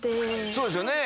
そうですよね。